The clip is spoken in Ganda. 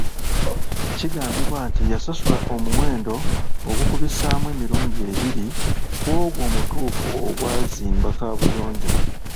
Kigambibwa nti yasasula omuwendo ogukubisaamu emirundi ebiri ku ogwo omutuufu ogwazimba kaabuyonjo.